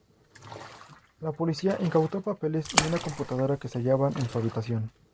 La policía incautó papeles y una computadora que se hallaban en su habitación.